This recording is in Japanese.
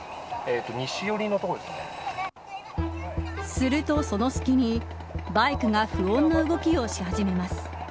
するとその隙にバイクが不穏な動きをし始めます。